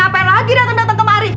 ngapain lagi dateng dateng kemari